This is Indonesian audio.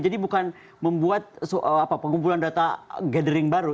jadi bukan membuat pengumpulan data gathering baru